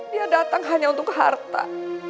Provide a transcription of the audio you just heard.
dia datang hanya untuk ke harta